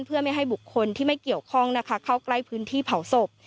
เพื่อไม่ให้บุคคลที่ไม่เกี่ยวข้องนะคะเข้าใกล้พื้นที่เผาศพ